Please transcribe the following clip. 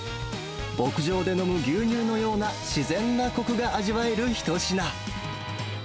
牧場で飲む牛乳のような自然なこくが味わえる一品。